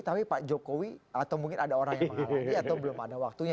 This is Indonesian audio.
tapi pak jokowi atau mungkin ada orang yang mengawali atau belum ada waktunya